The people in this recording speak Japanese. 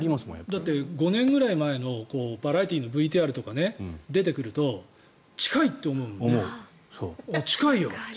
だって５年前ぐらいのバラエティーのＶＴＲとか出てくると近い！って思うよね。